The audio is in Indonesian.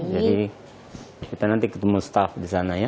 jadi kita nanti ketemu staff di sana ya